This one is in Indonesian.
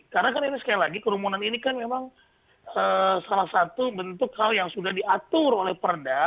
karena sekali lagi kerumunan ini kan memang salah satu bentuk hal yang sudah diatur oleh perda